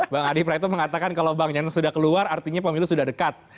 bang adi praetno mengatakan kalau bang jansen sudah keluar artinya pemilu sudah dekat